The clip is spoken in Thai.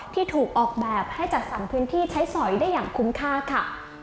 ที่ถูกออกแบบให้จัดสรรพื้นที่ใช้สอยได้อย่างคุ้มค่าค่ะ